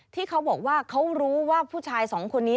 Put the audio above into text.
ที่เขาบอกว่าเขารู้ว่าผู้ชายสองคนนี้